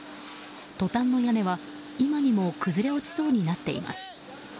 トタンの屋根は、今にも崩れ落ちそうになっています。